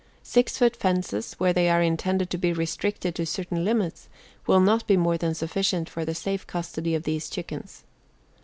Six foot fences, where they are intended to be restricted to certain limits, will not be more than sufficient for the safe custody of these chickens.